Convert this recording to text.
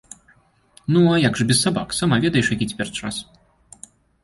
Ну, а як жа без сабак, сама ведаеш, які цяпер час.